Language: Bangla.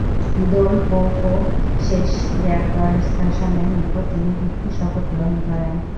দোল-পো-পা-শেস-রাব-র্গ্যাল-ম্ত্শানের নিকট তিনি ভিক্ষুর শপথ গ্রহণ করেন।